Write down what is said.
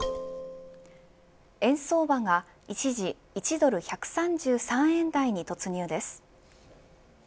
円相場が一時１ドル１３３円台に突入です。